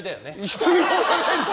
必要ないです！